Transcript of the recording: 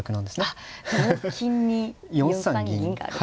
あっ同金に４三銀がある。